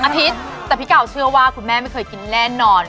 อาทิตย์แต่พี่เก่าเชื่อว่าคุณแม่ไม่เคยกินแน่นอน